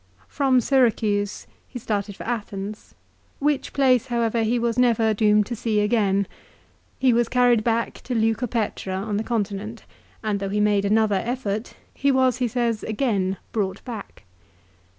From Syra cuse he started for Athens, which place however he was CESAR'S DEATH. 227 never doomed to see again. He was carried back to Leuco petra on the continent, and though he made another effort, he was, he says, again brought back.